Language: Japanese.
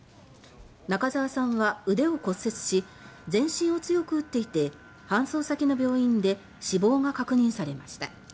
中澤さんは腕を骨折し全身を強く打っていて搬送先の病院で死亡が確認されました。